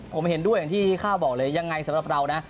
ผมเห็นด้วยอย่างที่ข้าวบอกเลยยังไงสำหรับเรานะ